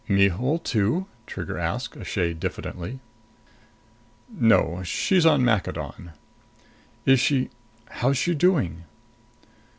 "Mihul, too?" Trigger asked, a shade diffidently. "No. She's on Maccadon." "Is she how's she doing?"